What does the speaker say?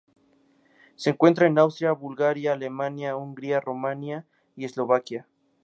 Se encuentra en Austria, Bulgaria, Alemania, Hungría Rumania y Eslovaquia.